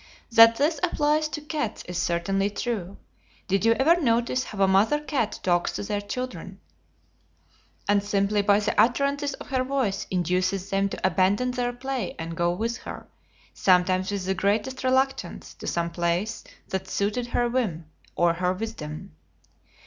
That this applies to cats is certainly true. Did you ever notice how a mother cat talks to her children, and simply by the utterances of her voice induces them to abandon their play and go with her, sometimes with the greatest reluctance, to some place that suited her whim or her wisdom?